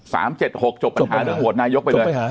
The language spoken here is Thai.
สามเจ็ดหกจบปัญหาจบปัญหาจบปัญหายกไปเลยจบปัญหา